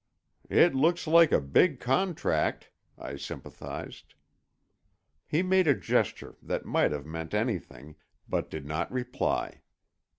"It looks like a big contract," I sympathized. He made a gesture that might have meant anything, but did not reply.